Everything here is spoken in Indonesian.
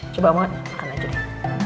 coba banget makan aja deh